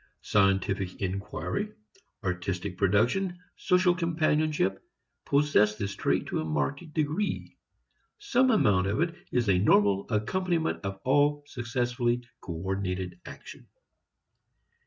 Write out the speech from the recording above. Scientific inquiry, artistic production, social companionship possess this trait to a marked degree; some amount of it is a normal accompaniment of all successfully coordinated action.